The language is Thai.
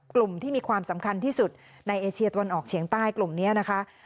กลุ่มที่มีความสำคัญที่สุดในเอเชียตะวันออกเฉียงใต้กลุ่มนี้นะคะ